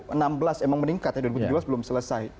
emang meningkat ya dua ribu tujuh belas belum selesai